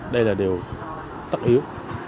đây là điều tất yếu